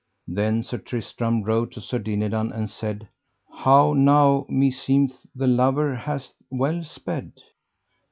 Then Sir Tristram rode to Sir Dinadan and said: How now, meseemeth the lover hath well sped.